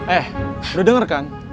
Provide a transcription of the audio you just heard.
eh udah denger kan